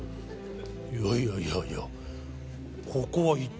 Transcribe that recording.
いやいやいやここは一体。